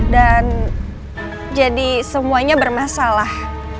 dan jadi semuanya bermasalah